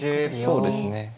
そうですね。